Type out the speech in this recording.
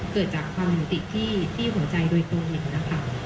เกิดจากความหิวติที่หัวใจโดยตรงหนึ่งนะคะ